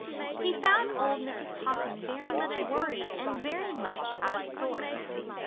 He found old Mrs. Possum very much worried and very much out of sorts.